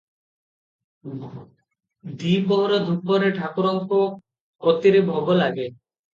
ଦିପହର ଧୂପରେ ଠାକୁରଙ୍କ କତିରେ ଭୋଗ ଲାଗେ ।